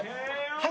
はい。